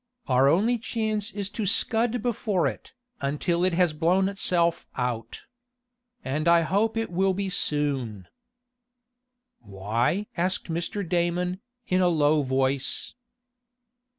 Our only chance is to scud before it, until it has blown itself out. And I hope it will be soon." "Why?" asked Mr. Damon, in a low voice.